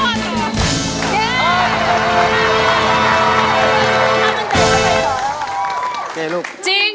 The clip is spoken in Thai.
ไม่ร้อง